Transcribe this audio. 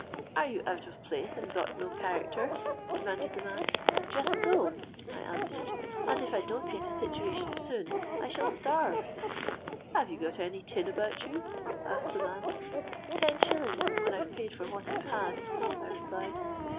'—'Are you out of place and got no character?' demanded the man.—'Just so,' I answered; 'and if I don't get a situation soon, I shall starve.'—'Have you got any tin about you?' asked the man.—'Ten shillings, when I've paid for what I've had,' I replied.